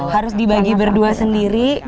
harus dibagi berdua sendiri